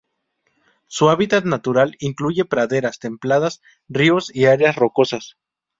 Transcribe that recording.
Su hábitat natural incluye praderas templadas, ríos y áreas rocosas.